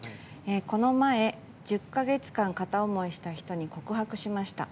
この前、１０か月間片思いした人に告白しました。